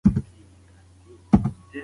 که لرغونپوهنه وي نو تاریخ نه پټیږي.